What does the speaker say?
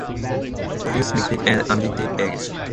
They produce mictic and amictic eggs.